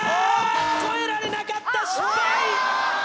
越えられなかった失敗！